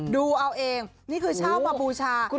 ดูเอาเองนี่คือเช่ามาบูชา